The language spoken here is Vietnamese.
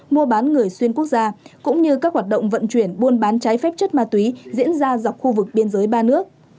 mua bán người xuyên quốc gia cũng như các hoạt động vận chuyển buôn bán trái phép chất ma túy diễn ra dọc khu vực biên giới ba nước